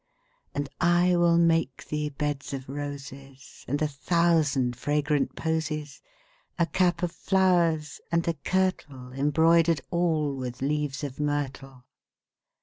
And I will make thee beds of roses And a thousand fragrant posies; 10 A cap of flowers, and a kirtle Embroider'd all with leaves of myrtle.